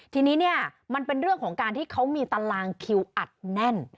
ทีนี้เนี่ยมันเป็นเรื่องของการที่เขามีตารางคิวอัดแน่น